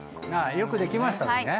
よくできましたの日ね。